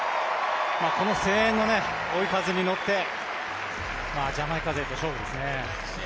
この声援の追い風に乗ってジャマイカ勢と勝負ですね。